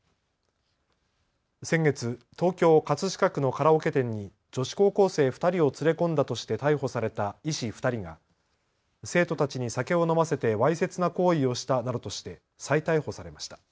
先月、東京葛飾区のカラオケ店に女子高校生２人を連れ込んだとして逮捕された医師２人が生徒たちに酒を飲ませてわいせつな行為をしたなどとして再逮捕されました。